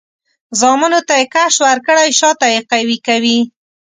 زامنو ته یې کش ورکړی؛ شاته یې قوي کوي.